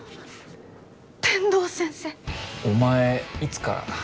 天堂先生っお前いつから？